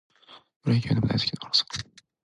ブレーキ踏んでも大好きだからさ